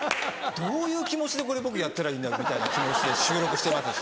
どういう気持ちでこれ僕やったらいいんだろうみたいな気持ちで収録してますし。